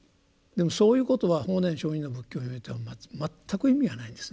でもそういうことは法然上人の仏教においては全く意味がないんですね。